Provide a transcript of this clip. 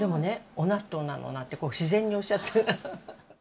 「おなっとうなの」なんて自然におっしゃって。